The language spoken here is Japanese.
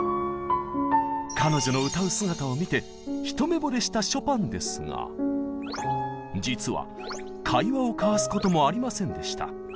彼女の歌う姿を見て一目ぼれしたショパンですが実は会話を交わすこともありませんでした。